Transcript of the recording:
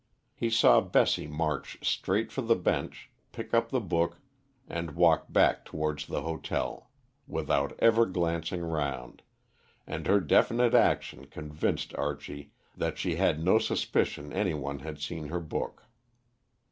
He saw Bessie march straight for the bench, pick up the book, and walk back towards the hotel, without ever glancing round, and her definite action convinced Archie that she had no suspicion any one had seen her book.